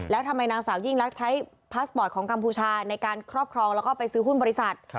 แล้วทำไมนางสาวยิ่งรักใช้พาสปอร์ตของกัมพูชาในการครอบครองแล้วก็ไปซื้อหุ้นบริษัท